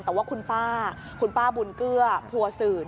แต่ว่าคุณป้าคุณป้าบุญเกื้อภัวสืบ